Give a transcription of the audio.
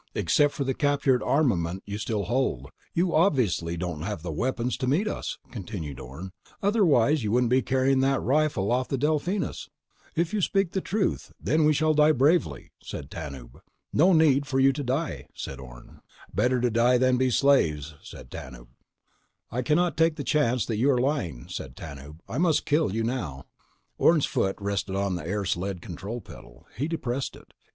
"Except for the captured armament you still hold, you obviously don't have the weapons to meet us," continued Orne. "Otherwise, you wouldn't be carrying that rifle off the Delphinus." "If you speak the truth, then we shall die bravely," said Tanub. "No need for you to die," said Orne. "Better to die than be slaves," said Tanub. "We don't need slaves," said Orne. "We—" "I cannot take the chance that you are lying," said Tanub. "I must kill you now." Orne's foot rested on the air sled control pedal. He depressed it.